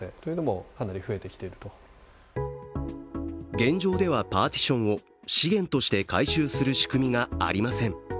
現状では、パーティションを資源として回収する仕組みがありません。